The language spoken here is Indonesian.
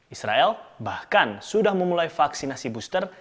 israel bahkan sudah memulai vaksinasi booster